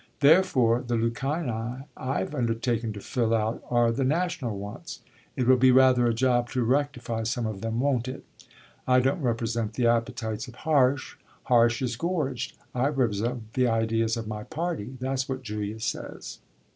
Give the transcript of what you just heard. Therefore the lacunae I've undertaken to fill out are the national wants. It will be rather a job to rectify some of them, won't it? I don't represent the appetites of Harsh Harsh is gorged. I represent the ideas of my party. That's what Julia says."